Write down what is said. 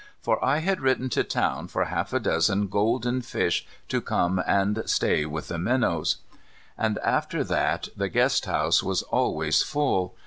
For I had written to town for half a dozen golden fish to come and stay with the minnows. And after that the guest house was always full.